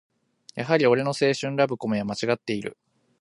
やはり俺の青春ラブコメはまちがっている